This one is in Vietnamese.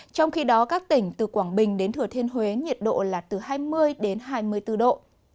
trong khi đó các tỉnh từ quảng bình đến thừa thiên huế nhiệt độ là từ hai mươi đến hai mươi bốn độ